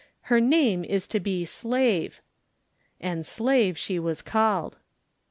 Her name is to be SLAVE." And Slave she was called.